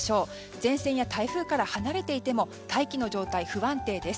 前線や台風から離れていても大気の状態不安定です。